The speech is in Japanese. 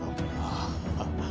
ああ。